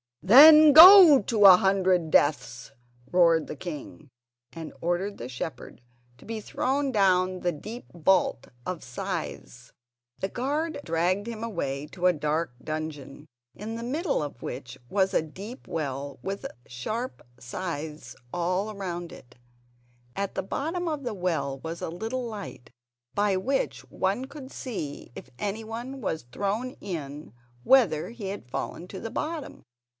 "Then go to a hundred deaths!" roared the king, and ordered the shepherd to be thrown down the deep vault of scythes. The guards dragged him away to a dark dungeon, in the middle of which was a deep well with sharp scythes all round it. At the bottom of the well was a little light by which one could see if anyone was thrown in whether he had fallen to the bottom.